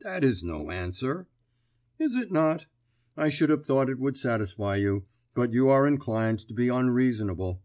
"That is no answer." "Is it not? I should have thought it would satisfy you, but you are inclined to be unreasonable.